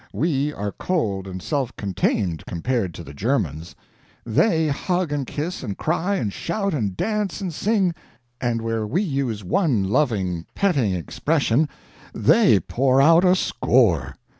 We are cold and self contained, compared to the Germans. They hug and kiss and cry and shout and dance and sing; and where we use one loving, petting expression, they pour out a score.